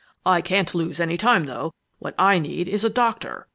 I can't lose any time, though what I need is a doctor."